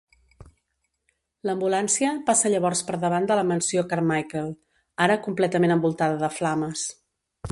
L'ambulància passa llavors per davant de la mansió Carmichael, ara completament envoltada de flames.